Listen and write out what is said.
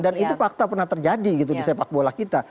dan itu fakta pernah terjadi gitu di sepak bola kita